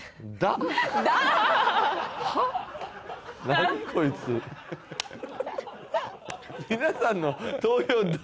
何こいつ皆さんの投票「だ」？